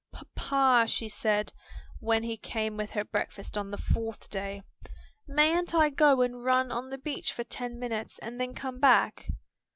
"Papa," she said, when he came with her breakfast on the fourth day, "mayn't I go and run on the beach for ten minutes and then come back?"